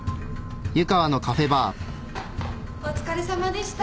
お疲れさまでした。